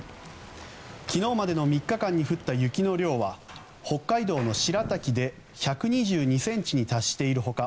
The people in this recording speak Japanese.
昨日までの３日間に降った雪の量は北海道の白滝で１２２ｃｍに達している他